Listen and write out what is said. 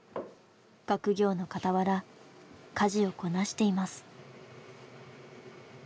学業の傍ら家事をこなしています。